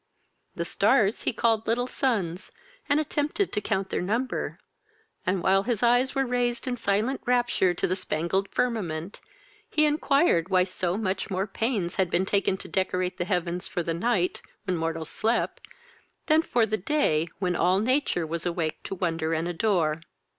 The stars he called little suns, and attempted to count their number; and, while his eyes were raised in silent rapture to the spangled firmament, he inquired why so much more pains had been taken to decorate the heavens for the night, when mortals slept, than for the day, when all nature was awake to wonder and adore.